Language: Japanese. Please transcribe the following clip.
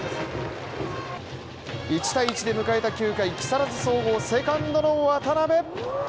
１−１で迎えた９回、木更津総合、セカンドの渡辺。